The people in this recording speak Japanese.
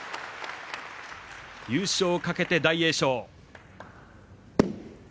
優勝をかけて大栄翔。